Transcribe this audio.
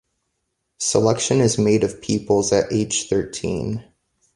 Selection is made of pupils at age thirteen.